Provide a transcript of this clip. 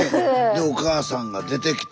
でおかあさんが出てきて。